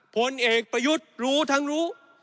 ผลเอกประยุทธ์รู้ทั้งรู้